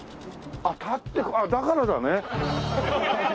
あっ立ってだからだね。